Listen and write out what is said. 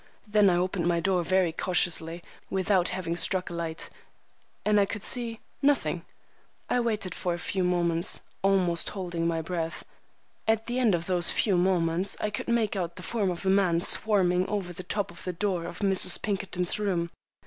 Then I opened my door very cautiously, without having struck a light, and could see—nothing! I waited a few moments, almost holding my breath. At the end of those few moments I could make out the form of a man swarming over the top of the door of Mrs. Pinkerton's room.